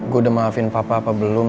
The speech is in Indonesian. gue udah maafin papa apa belum